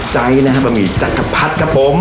ใจนะฮะบะหมี่จักรพัดครับผม